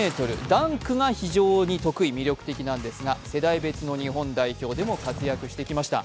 ダンクが非常に得意、魅力的なんですが世代別の日本代表でも活躍してきました。